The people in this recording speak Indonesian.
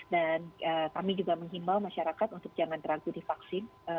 dan kami juga mengimbau masyarakat untuk jangan ragu di vaksin